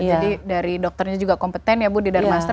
jadi dari dokternya juga kompeten ya bu di darmastar